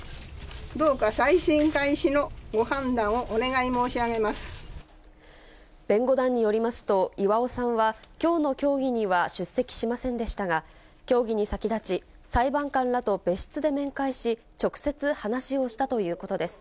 どうか再審開始のご判断をお願い弁護団によりますと、巌さんはきょうの協議には出席しませんでしたが、協議に先立ち、裁判官らと別室で面会し、直接話をしたということです。